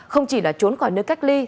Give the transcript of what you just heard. không chỉ là trốn khỏi nơi cách ly